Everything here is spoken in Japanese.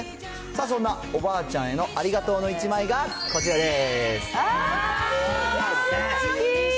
さあ、そんなおばあちゃんへのありがとうの１枚がこちらです。